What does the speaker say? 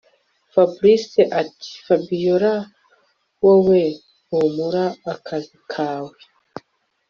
Fabric atiFabiora wowe humura akazi kawe